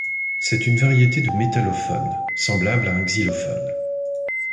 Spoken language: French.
C'est une variété de métallophone, semblable à un xylophone.